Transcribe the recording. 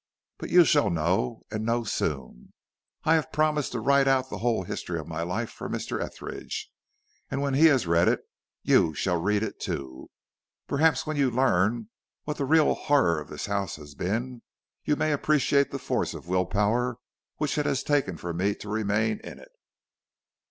But you shall know, and know soon. I have promised to write out the whole history of my life for Mr. Etheridge, and when he has read it you shall read it too. Perhaps when you learn what the real horror of this house has been, you may appreciate the force of will power which it has taken for me to remain in it."